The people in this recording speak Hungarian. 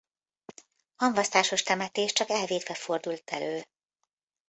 Hamvasztásos temetés csak elvétve fordult elő.